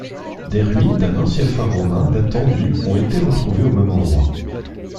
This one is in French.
Des ruines d'un ancien phare romain datant du ont été retrouvées au même endroit.